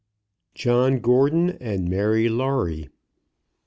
JOHN GORDON AND MARY LAWRIE.